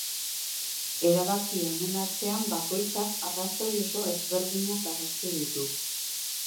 Erabaki honen atzean bakoitzak arrazoi oso ezberdinak agertu ditu.